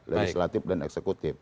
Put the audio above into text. dari selatif dan eksekutif